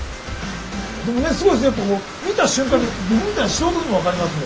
でもねすごいですね見た瞬間に僕みたいな素人でも分かりますもん。